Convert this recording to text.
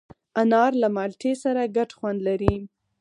انار له مالټې سره ګډ خوند لري.